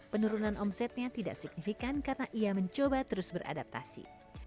penurunan omsetnya tidak signifikan karena ia mencoba terus beradaptasi